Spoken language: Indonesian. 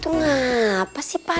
bocah ngapasih ya